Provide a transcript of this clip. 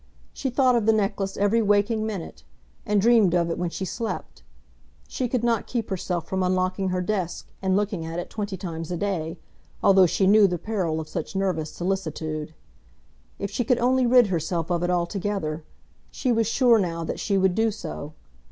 She thought of the necklace every waking minute, and dreamed of it when she slept. She could not keep herself from unlocking her desk and looking at it twenty times a day, although she knew the peril of such nervous solicitude. If she could only rid herself of it altogether, she was sure now that she would do so.